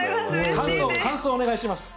感想感想をお願いします。